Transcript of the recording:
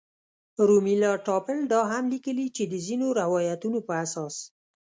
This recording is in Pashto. رومیلا تاپړ دا هم لیکلي چې د ځینو روایتونو په اساس.